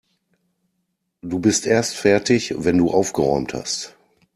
Du bist erst fertig, wenn du aufgeräumt hast.